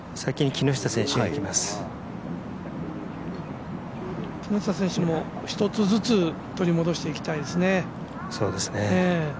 木下選手も、少しずつ取り戻していきたいですね。